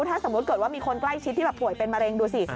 ถ้าสมมุติเกิดว่ามีคนใกล้ชิดที่แบบป่วยเป็นมะเร็งดูสิ